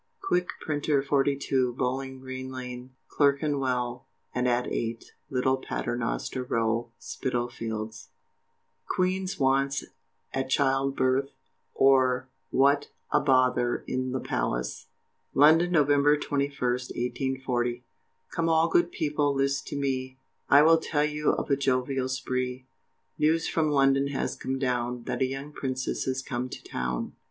QUICK, Printer, 42, Bowling Green Lane, Clerkenwell, and at 8, Little Paternoster Row, Spitalfields. QUEEN'S WANTS At Child Birth; or, what a bother IN THE PALACE. London, November 21st, 1840. Come all good people list to me, I will tell you of a jovial spree, News from London has come down, That a young princess has come to town.